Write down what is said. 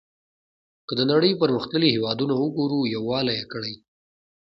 که د نړۍ پرمختللي هېوادونه وګورو یووالی یې کړی.